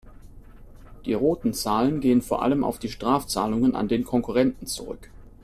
Die roten Zahlen gehen vor allem auf die Strafzahlungen an den Konkurrenten zurück.